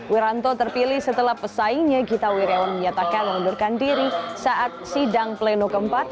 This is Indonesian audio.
wiranto terpilih setelah pesaingnya gita wirjawan menyatakan mengundurkan diri saat sidang pleno keempat